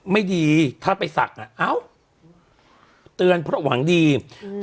ไม่ดีถ้าไปศักดิ์อ่ะเอ้าเตือนเพราะหวังดีอืม